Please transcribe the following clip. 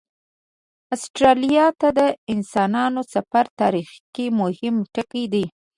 استرالیا ته د انسانانو سفر تاریخ کې مهم ټکی دی.